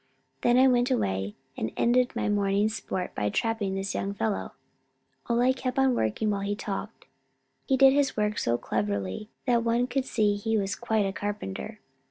Then I went away, and ended my morning's sport by trapping this young fellow." Ole kept on working while he talked. He did his work so cleverly that one could see he was quite a carpenter.